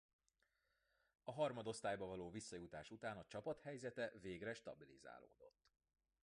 A harmadosztályba való visszajutás után a csapat helyzete végre stabilizálódott.